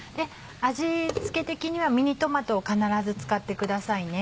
味付け的にはミニトマトを必ず使ってくださいね。